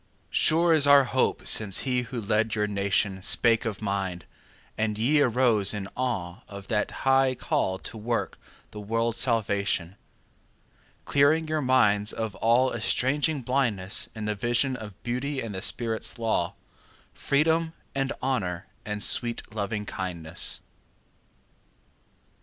Sure is our hope since he who led your nationSpake for mankind, and ye arose in aweOf that high call to work the world's salvation; Clearing your minds of all estranging blindnessIn the vision of Beauty and the Spirit's law, Freedom and Honour and sweet Lovingkindness.